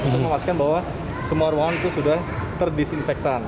untuk memastikan bahwa semua ruangan itu sudah terdisinfektan